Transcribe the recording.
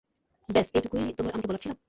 ব্যাস, এইটুকুই তোমার আমাকে বলার ছিল?